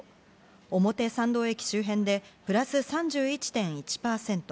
表参道駅周辺でプラス３１．１％。